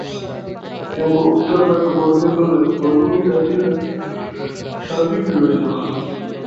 কেবল উত্তরভাগে বনজঙ্গলে বর্বর-জাতিরা স্বাধীন রইল।